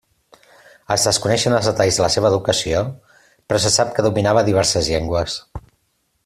Es desconeixen els detalls de la seva educació, però se sap que dominava diverses llengües.